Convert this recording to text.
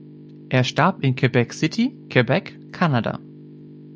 Er starb in Quebec City, Quebec, Kanada.